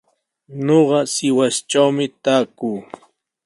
Ñuqa Sihuastrawmi taakuu.